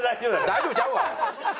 大丈夫ちゃうわ！